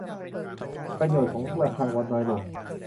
ประโยชน์ของระฆังวัดน้อยลง